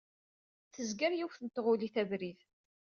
Tezger yiwet n tɣulit abrid.